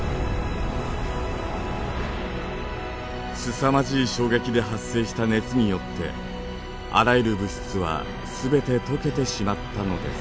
すさまじい衝撃で発生した熱によってあらゆる物質は全て溶けてしまったのです。